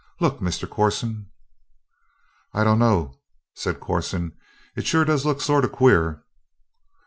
Look, Mr. Corson." "I dunno," said Corson. "It sure does look sort of queer!"